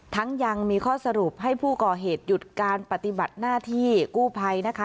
ยังมีข้อสรุปให้ผู้ก่อเหตุหยุดการปฏิบัติหน้าที่กู้ภัยนะคะ